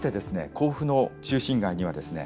甲府の中心街にはですね